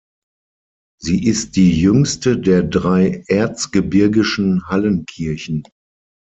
Sie ist die jüngste der drei erzgebirgischen Hallenkirchen.